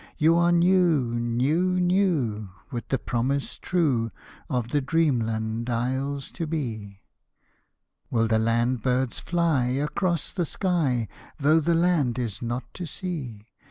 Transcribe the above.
You are new, new, new with the promise true Of the dreamland isles to be. Will the land birds fly across the sky, Though the land is not to see?